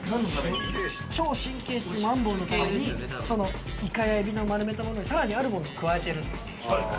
超神経質マンボウのためにイカやエビの丸めたものにさらにあるものを加えてるんです。